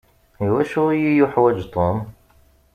I wacu iyi-yuḥwaǧ Tom?